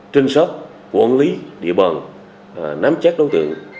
trinh sát quản lý địa bàn nắm chắc đối tượng